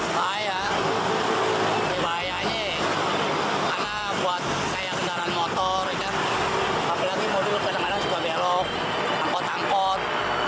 bahaya bahayanya mana buat kayak kendaraan motor